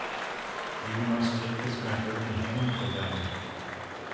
You must take this matter in hand for them.